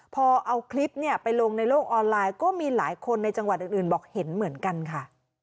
พอเอาคลิปไปลงในโลกออนไลน์ก็มีหลายคนในจังหวัดอื่นบอกเห็นเหมือนกันค่ะ